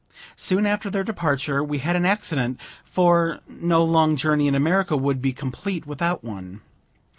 Soon after their departure we had an accident; for no long journey in America would be complete without one.